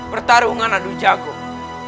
pertarungan anu jagung